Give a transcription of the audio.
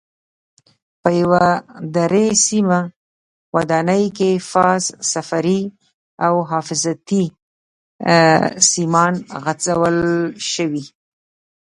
په یوه درې سیمه ودانۍ کې فاز، صفري او حفاظتي سیمان غځول شوي.